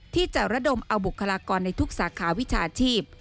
ที่จะระดมเอาบุคลากรในทุกสาขาวิชาชีพ